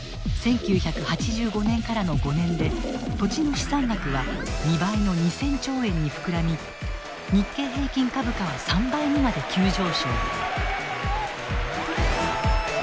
１９８５年からの５年で土地の資産額は２倍の２，０００兆円に膨らみ日経平均株価は３倍にまで急上昇。